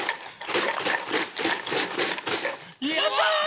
やった！